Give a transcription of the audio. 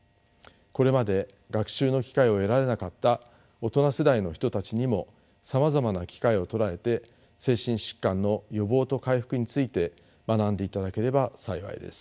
これまで学習の機会を得られなかった大人世代の人たちにもさまざまな機会を捉えて精神疾患の予防と回復について学んでいただければ幸いです。